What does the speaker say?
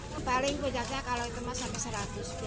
kebaling kejaganya kalau itu masalah seratus biasanya